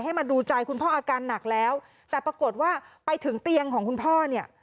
มาดูใจคุณพ่ออาการหนักแล้วแต่ปรากฏว่าไปถึงเตียงของคุณพ่อเนี่ย